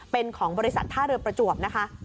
เป็นของบริษัทท่าเรือประจวบนะคะ